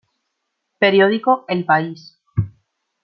Periódico el país.